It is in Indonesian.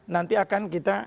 nanti akan kita